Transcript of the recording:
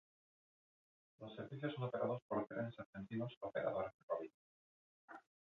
Los servicios son operados por Trenes Argentinos Operadora Ferroviaria.